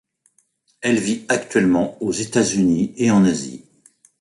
Elle vit actuellement aux États-Unis et en Asie.